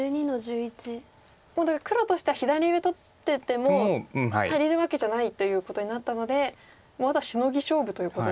もうだから黒としては左上取ってても足りるわけじゃないということになったのでもうあとはシノギ勝負ということですか。